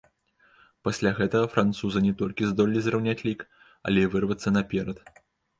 Пасля гэтага французы не толькі здолелі зраўняць лік, але і вырвацца наперад.